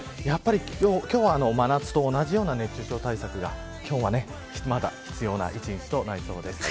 今日は真夏と同じような熱中症対策がまだ必要な一日となりそうです。